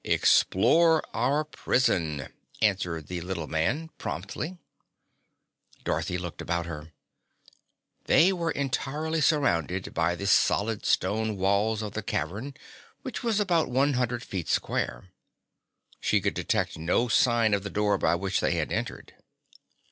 "Explore our prison," answered the little man promptly. Dorothy looked about her. They were entirely surrounded by the solid stone walls of the cavern, which was about one hundred feet square. She could detect no sign of the door by which they had entered.